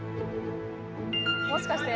もしかして？